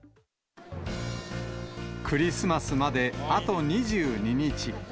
クリスマスまであと２２日。